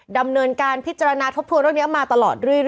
ดำเนินการพิจารณาทบทวนเรื่องนี้มาตลอดเรื่อย